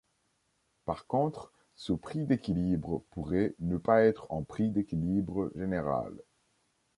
Par contre ce prix d'équilibre pourrait ne pas être un prix d'équilibre général.